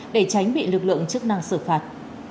để tránh bị lực lượng chức năng xử phạt